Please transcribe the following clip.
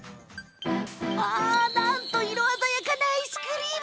なんと、色鮮やかなアイスクリーム！